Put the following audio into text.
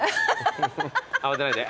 慌てないで。